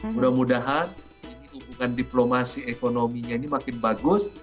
mudah mudahan ini hubungan diplomasi ekonominya ini makin bagus